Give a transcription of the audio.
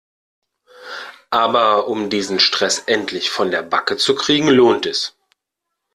Aber um diesen Stress endlich von der Backe zu kriegen lohnt es.